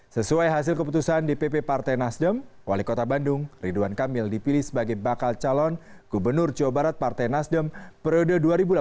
sesuai hasil keputusan dpp partai nasdem wali kota bandung ridwan kamil dipilih sebagai bakal calon gubernur jawa barat partai nasdem periode dua ribu delapan belas dua ribu dua puluh